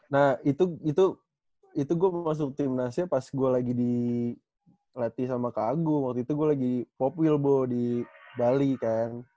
nah itu itu itu gue masuk tim nas nya pas gue lagi dilatih sama kak agung waktu itu gue lagi di pop wilbo di bali kan